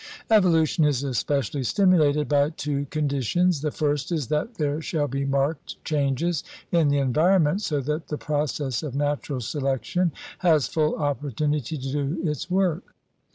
Evolution is especially stimulated by two con ditions. The first is that there shall be marked changes in the environment so that the process of natural selection has full opportunity to do its work.